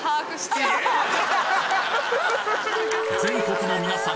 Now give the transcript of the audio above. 全国の皆さん